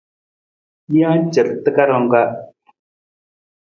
Jee car takarang ka.